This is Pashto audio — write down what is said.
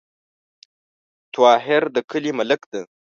طاهر د کلې ملک ده